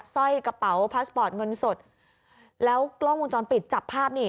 สร้อยกระเป๋าพาสปอร์ตเงินสดแล้วกล้องวงจรปิดจับภาพนี่